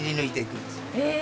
へえ！